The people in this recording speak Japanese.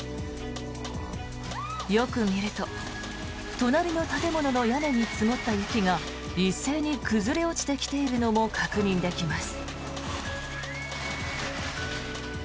よく見ると隣の建物の屋根に積もった雪が一斉に崩れ落ちてきているのも確認できます。